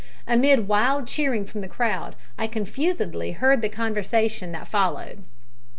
Amid wild cheering from the crowd I confusedly heard the conversation that followed.